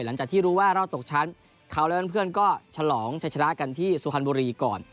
หลังจากที่รู้ว่ารอดตกชั้นเขาและเพื่อนก็ฉลองชัยชนะกันที่สุพรรณบุรีก่อน